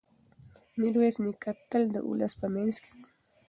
میرویس نیکه تل د ولس په منځ کې و.